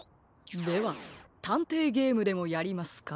ではたんていゲームでもやりますか？